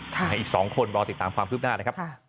อีก๒คนรอติดตามความคืบหน้านะครับ